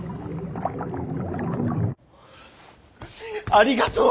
ありがとう！